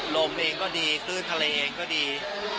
ลมเองก็ดีคลื่นบนยังนี่ดี